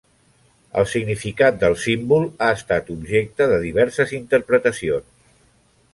El significat del símbol ha estat objecte de diverses interpretacions.